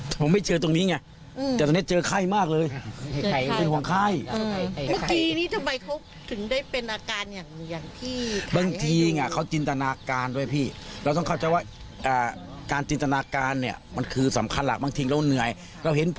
แต่มันไม่ดีขึ้นนะถ้ามันกรีดร้องแล้วมันก็จะยิ่งแย่ใหญ่เลยนะ